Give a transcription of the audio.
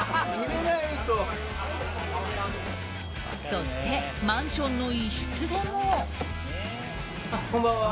そしてマンションの一室でも。